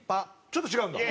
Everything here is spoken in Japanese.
ちょっと違うんだ。